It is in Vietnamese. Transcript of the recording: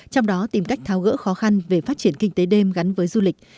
trong đó tìm cách tháo gỡ khó khăn về phát triển kinh tế đêm gắn với du lịch